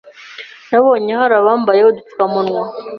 nabonye hari abambaye udupfukamunwa